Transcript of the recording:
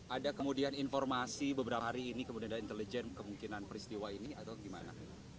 ada kemudian informasi beberapa hari ini kemudian ada intelijen kemungkinan peristiwa ini atau gimana